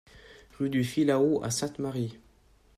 Rue du Filao à Sainte-Marie